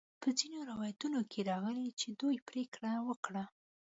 په ځینو روایتونو کې راغلي چې دوی پریکړه وکړه.